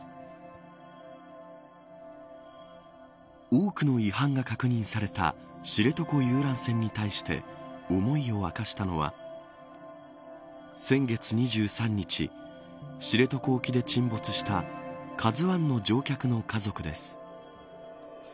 多くの違反が確認された知床遊覧船に対して思いを明かしたのは先月２３日知床沖で沈没したＫＡＺＵ１の乗客の家族です。